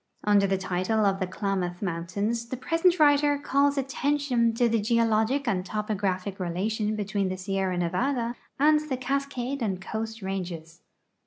Under the title of The Klamath Mountains the present writer calls attention to the geologic and topographic relation between the Sierra Nevada and the Cascade and Coast ranges.